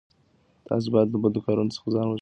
تاسو باید له بدو کارونو څخه ځان وژغورئ.